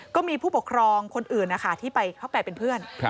ก็มีผู้ปกครองคนอื่นนะคะที่เข้าไปเป็นเพื่อน